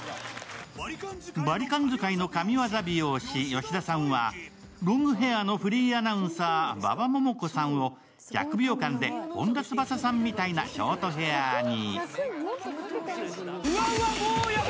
バリカン使いの神業美容師・吉田さんは、ロングヘアのフリーアナウンサー、馬場ももこさんを１００秒間で本田翼さんみたいなショートヘアに。